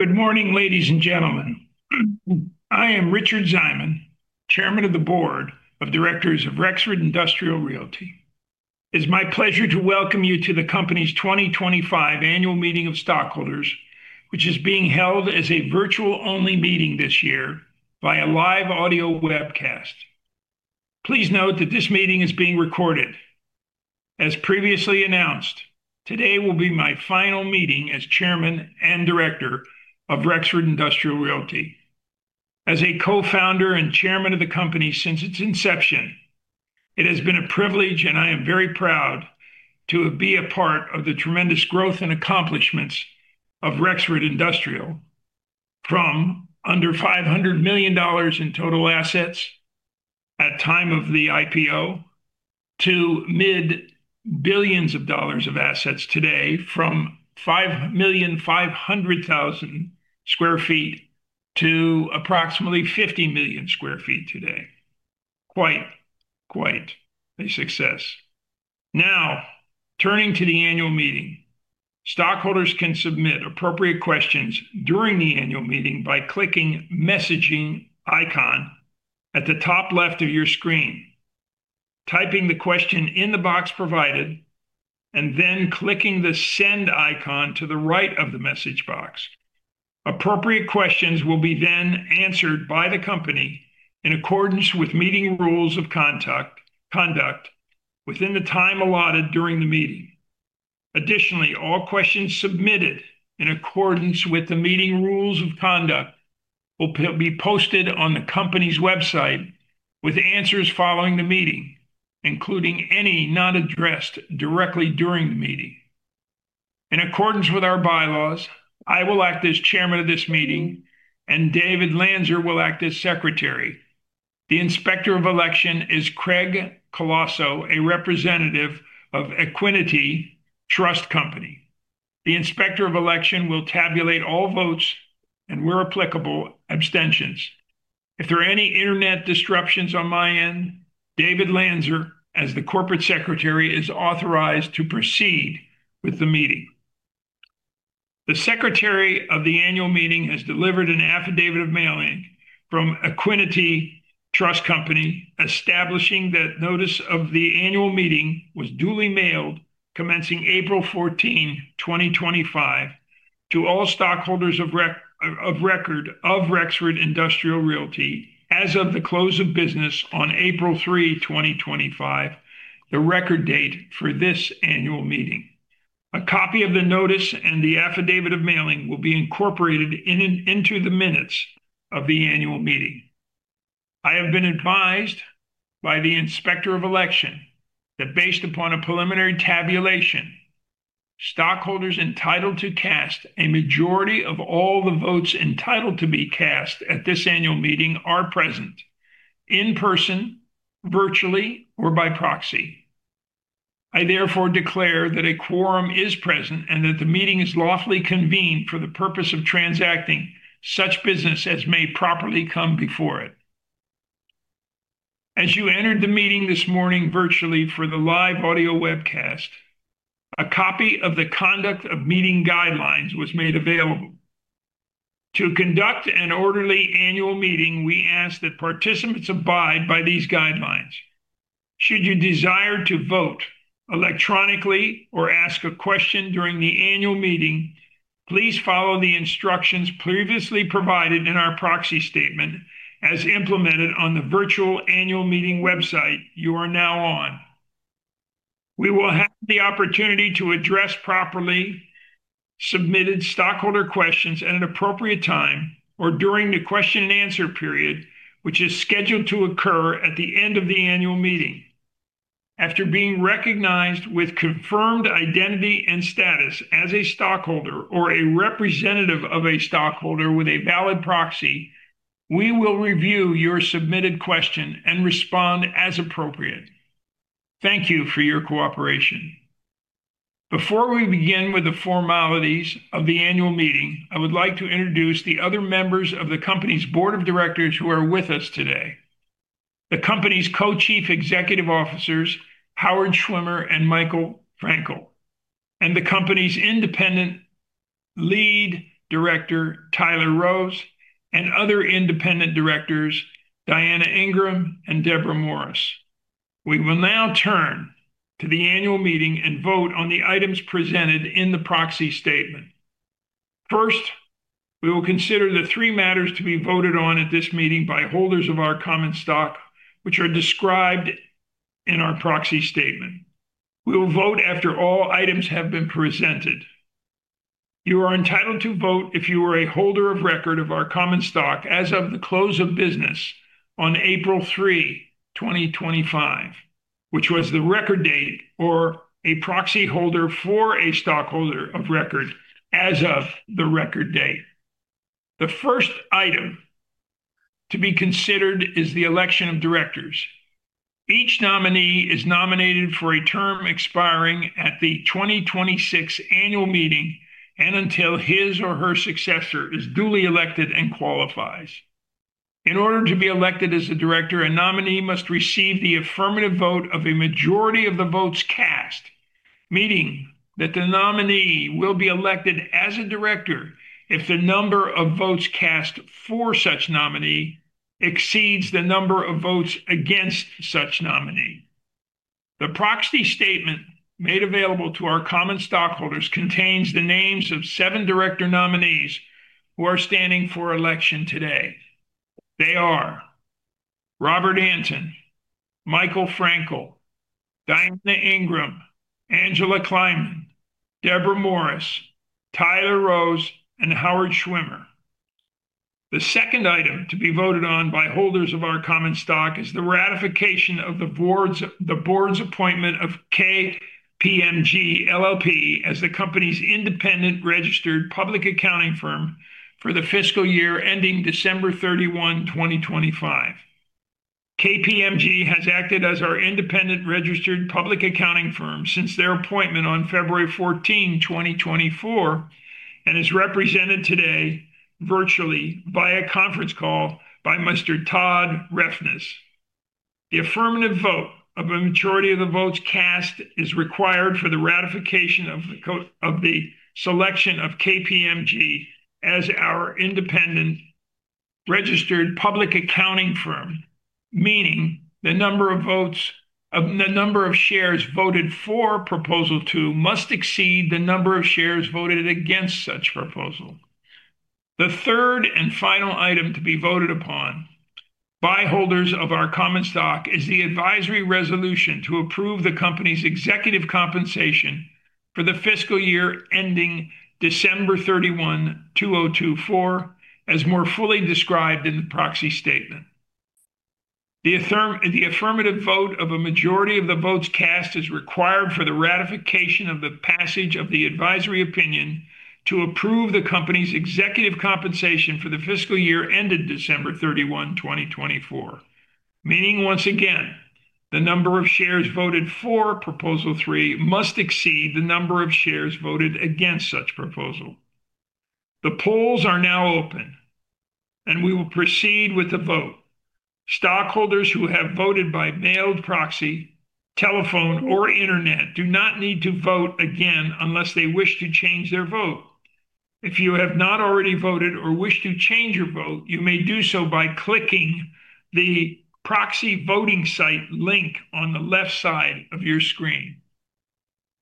Good morning, ladies and gentlemen. I am Richard Ziman, Chairman of the Board of Directors of Rexford Industrial Realty. It is my pleasure to welcome you to the company's 2025 annual meeting of stockholders, which is being held as a virtual-only meeting this year via live audio webcast. Please note that this meeting is being recorded. As previously announced, today will be my final meeting as Chairman and Director of Rexford Industrial Realty. As a Co-Founder and Chairman of the company since its inception, it has been a privilege, and I am very proud to be a part of the tremendous growth and accomplishments of Rexford Industrial, from under $500 million in total assets at the time of the IPO to mid-billions of dollars of assets today, from 5,500,000 sq ft to approximately 50 million sq ft today. Quite, quite a success. Now, turning to the annual meeting, stockholders can submit appropriate questions during the annual meeting by clicking the messaging icon at the top left of your screen, typing the question in the box provided, and then clicking the send icon to the right of the message box. Appropriate questions will be then answered by the company in accordance with meeting rules of conduct within the time allotted during the meeting. Additionally, all questions submitted in accordance with the meeting rules of conduct will be posted on the company's website with answers following the meeting, including any not addressed directly during the meeting. In accordance with our bylaws, I will act as Chairman of this meeting, and David Lanzer will act as Secretary. The Inspector of Election is Craig Colosso, a representative of Equiniti Trust Company. The Inspector of Election will tabulate all votes and, where applicable, abstentions. If there are any internet disruptions on my end, David Lanzer, as the Corporate Secretary, is authorized to proceed with the meeting. The Secretary of the annual meeting has delivered an affidavit of mailing from Equiniti Trust Company, establishing that notice of the annual meeting was duly mailed, commencing April 14, 2025, to all stockholders of record of Rexford Industrial Realty as of the close of business on April 3, 2025, the record date for this annual meeting. A copy of the notice and the affidavit of mailing will be incorporated into the minutes of the annual meeting. I have been advised by the Inspector of Election that, based upon a preliminary tabulation, stockholders entitled to cast a majority of all the votes entitled to be cast at this annual meeting are present in person, virtually, or by proxy. I therefore declare that a quorum is present and that the meeting is lawfully convened for the purpose of transacting such business as may properly come before it. As you entered the meeting this morning virtually for the live audio webcast, a copy of the conduct of meeting guidelines was made available. To conduct an orderly annual meeting, we ask that participants abide by these guidelines. Should you desire to vote electronically or ask a question during the annual meeting, please follow the instructions previously provided in our proxy statement as implemented on the virtual annual meeting website you are now on. We will have the opportunity to address properly submitted stockholder questions at an appropriate time or during the question-and-answer period, which is scheduled to occur at the end of the annual meeting. After being recognized with confirmed identity and status as a stockholder or a representative of a stockholder with a valid proxy, we will review your submitted question and respond as appropriate. Thank you for your cooperation. Before we begin with the formalities of the annual meeting, I would like to introduce the other members of the company's Board of Directors who are with us today: the company's Co-Chief Executive Officers, Howard Schwimmer and Michael Frankel, and the company's Independent Lead Director, Tyler Rose, and other Independent Directors, Diana Ingram and Debra Morris. We will now turn to the annual meeting and vote on the items presented in the proxy statement. First, we will consider the three matters to be voted on at this meeting by holders of our common stock, which are described in our proxy statement. We will vote after all items have been presented. You are entitled to vote if you are a holder of record of our common stock as of the close of business on April 3, 2025, which was the record date or a proxy holder for a stockholder of record as of the record date. The first item to be considered is the election of directors. Each nominee is nominated for a term expiring at the 2026 annual meeting and until his or her successor is duly elected and qualifies. In order to be elected as a director, a nominee must receive the affirmative vote of a majority of the votes cast, meaning that the nominee will be elected as a director if the number of votes cast for such nominee exceeds the number of votes against such nominee. The proxy statement made available to our common stockholders contains the names of seven director nominees who are standing for election today. They are Robert Antin, Michael Frankel, Diana Ingram, Angela Kleiman, Debra Morris, Tyler Rose, and Howard Schwimmer. The second item to be voted on by holders of our common stock is the ratification of the board's appointment of KPMG LLP as the company's independent registered public accounting firm for the fiscal year ending December 31, 2025. KPMG has acted as our independent registered public accounting firm since their appointment on February 14, 2024, and is represented today virtually via conference call by Mr. Todd Refnes. The affirmative vote of a majority of the votes cast is required for the ratification of the selection of KPMG as our independent registered public accounting firm, meaning the number of shares voted for proposal two must exceed the number of shares voted against such proposal. The third and final item to be voted upon by holders of our common stock is the advisory resolution to approve the company's executive compensation for the fiscal year ending December 31, 2024, as more fully described in the proxy statement. The affirmative vote of a majority of the votes cast is required for the ratification of the passage of the advisory opinion to approve the company's executive compensation for the fiscal year ended December 31, 2024, meaning once again the number of shares voted for proposal three must exceed the number of shares voted against such proposal. The polls are now open, and we will proceed with the vote. Stockholders who have voted by mailed proxy, telephone, or internet do not need to vote again unless they wish to change their vote. If you have not already voted or wish to change your vote, you may do so by clicking the proxy voting site link on the left side of your screen.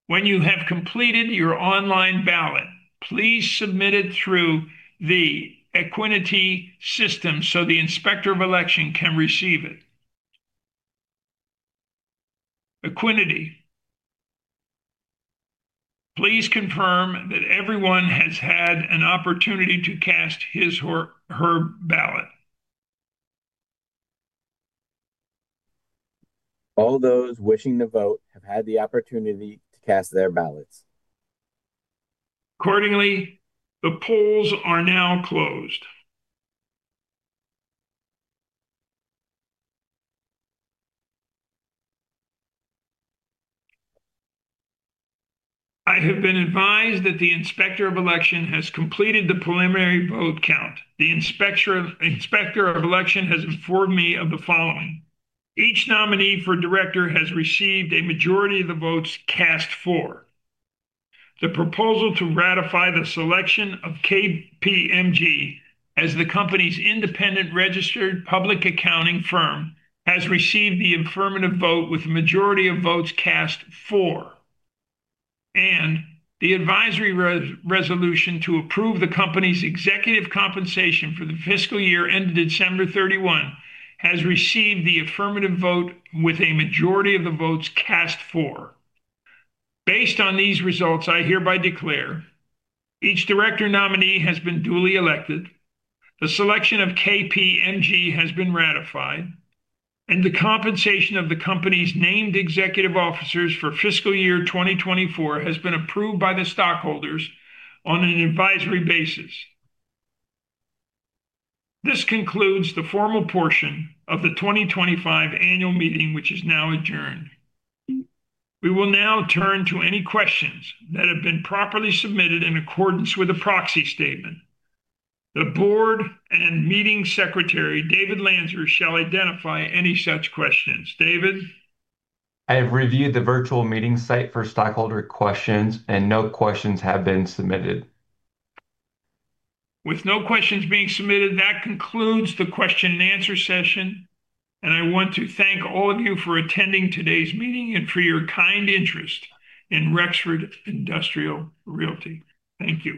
When you have completed your online ballot, please submit it through the Equiniti system so the Inspector of Election can receive it. Equiniti, please confirm that everyone has had an opportunity to cast his or her ballot. All those wishing to vote have had the opportunity to cast their ballots. Accordingly, the polls are now closed. I have been advised that the Inspector of Election has completed the preliminary vote count. The Inspector of Election has informed me of the following: each nominee for director has received a majority of the votes cast for. The proposal to ratify the selection of KPMG as the company's independent registered public accounting firm has received the affirmative vote with a majority of votes cast for. The advisory resolution to approve the company's executive compensation for the fiscal year ended December 31 has received the affirmative vote with a majority of the votes cast for. Based on these results, I hereby declare each director nominee has been duly elected, the selection of KPMG has been ratified, and the compensation of the company's named executive officers for fiscal year 2024 has been approved by the stockholders on an advisory basis. This concludes the formal portion of the 2025 annual meeting, which is now adjourned. We will now turn to any questions that have been properly submitted in accordance with the proxy statement. The Board and Meeting Secretary, David Lanzer, shall identify any such questions. David. I have reviewed the virtual meeting site for stockholder questions, and no questions have been submitted. With no questions being submitted, that concludes the question-and-answer session, and I want to thank all of you for attending today's meeting and for your kind interest in Rexford Industrial Realty. Thank you.